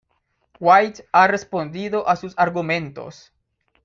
White ha respondido a sus argumentos.